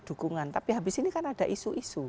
dukungan tapi habis ini kan ada isu isu